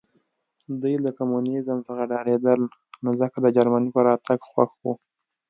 دوی له کمونیزم څخه ډارېدل نو ځکه د جرمني په راتګ خوښ وو